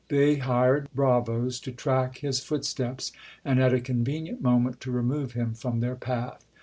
They hired bravos to track his footsteps, and at a convenient moment to remove him from their path.